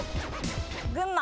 群馬。